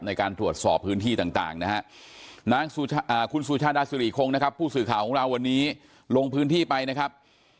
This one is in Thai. ในการตรวจสอบพื้นที่ต่างนะฮะนางคุณสุชาดาสุริคงนะครับผู้สื่อข่าวของเราวันนี้ลงพื้นที่ไปนะครับ